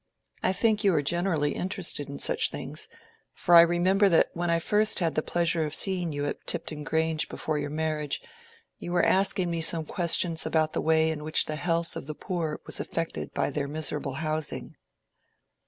I think you are generally interested in such things, for I remember that when I first had the pleasure of seeing you at Tipton Grange before your marriage, you were asking me some questions about the way in which the health of the poor was affected by their miserable housing."